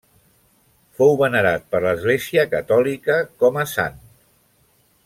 Fou venerat per l'Església Catòlica com a sant.